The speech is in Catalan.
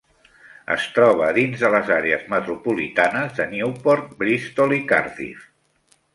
Es troba dins de les àrees metropolitanes de Newport, Bristol i Cardiff.